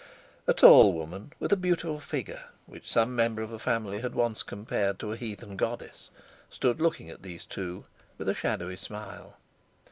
A tall woman, with a beautiful figure, which some member of the family had once compared to a heathen goddess, stood looking at these two with a shadowy smile.